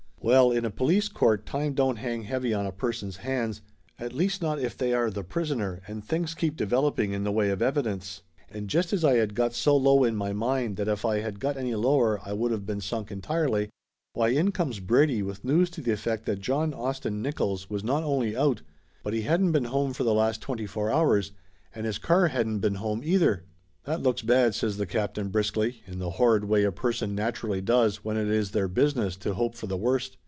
Well, in a police court time don't hang heavy on a person's hands, at least not if they are the prisoner and things keep developing in the way of evidence. And just as I had got so low in my mind that if I had got any lower I would of been sunk entirely, why in comes Brady with news to the effect that John Austin Nick Laughter Limited 315 oils was not only out but he hadn't been home for the last twenty four hours, and his car hadn't been home, either. "That looks bad!" says the captain briskly, in the horrid way a person naturally does when it is their business to hope for the worst.